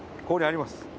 ここにあります。